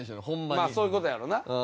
まあそういう事やろうな。